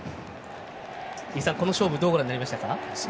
この勝負どうご覧になりますか？